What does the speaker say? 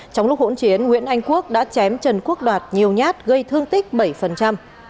trong lúc hỗn chiến nguyễn anh quốc đã chém trần quốc đạt nhiều nhát gây thương tích bảy